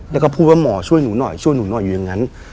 แล้วก็พูดว่าหมอช่วยหนูหน่อยช่วยหนูหน่อยอยู่อย่างนั้น